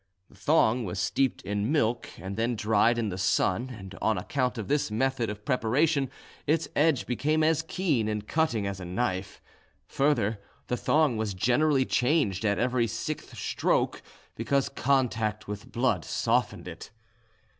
The thong was steeped in milk and then dried in the sun, and on account of this method of preparation its edge became as keen and cutting as a knife; further, the thong was generally changed at every sixth stroke, because contact with blood softened it.